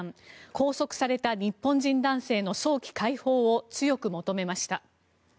拘束された日本人男性の早期解放を強く求めました。